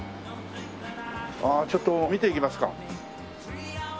ああちょっと見ていきますか。